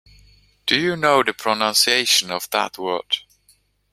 Do you know the pronunciation of that word?